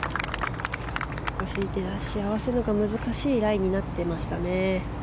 出だしを合わせるのが難しいラインになっていましたね。